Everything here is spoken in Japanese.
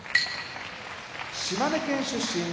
島根県出身